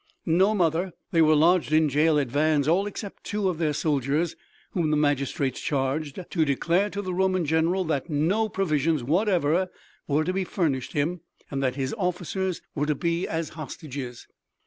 "No, mother; they were lodged in jail at Vannes, all except two of their soldiers whom the magistrates charged to declare to the Roman general that no provisions whatever were to be furnished him, and that his officers were to be as hostages."